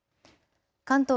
関東